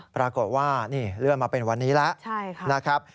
ปรากฏว่านี่เลื่อนมาเป็นวันนี้แล้วนะครับ